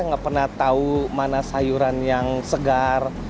nggak pernah tahu mana sayuran yang segar